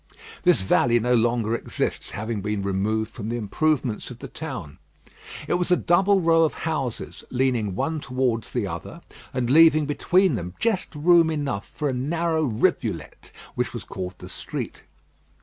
This alley no longer exists, having been removed for the improvements of the town. It was a double row of houses, leaning one towards the other, and leaving between them just room enough for a narrow rivulet, which was called the street.